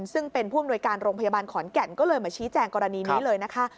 ซึ่งเป็นผู้อำนวยการโรงพยาบาลขอนแก่นก็เลยมาชี้แจงกรณีนี้เลยนะคะ